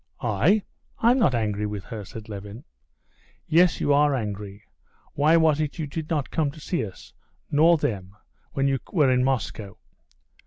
"I? I'm not angry with her," said Levin. "Yes, you are angry. Why was it you did not come to see us nor them when you were in Moscow?"